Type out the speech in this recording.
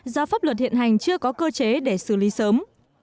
do pháp luật hiện hành chưa có cơ chế để xử lý sớm